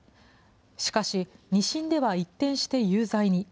しかし、２審では一転して有罪に。